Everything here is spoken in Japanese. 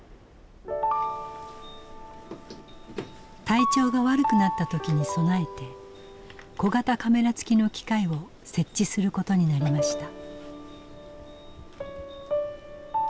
体調が悪くなった時に備えて小型カメラ付きの機械を設置することになりました。